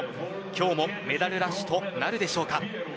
今日もメダルラッシュとなるでしょうか。